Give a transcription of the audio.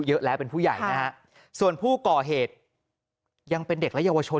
เยอะแล้วเป็นผู้ใหญ่นะฮะส่วนผู้ก่อเหตุยังเป็นเด็กและเยาวชน